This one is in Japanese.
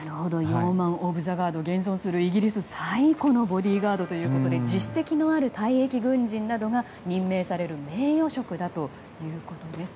ヨーマン・オブ・ザ・ガード現存するイギリス最古のボディーガードということで実績のある退役軍人などが任命される名誉職だということです。